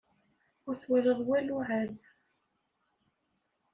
Ur twalaḍ walu ɛad.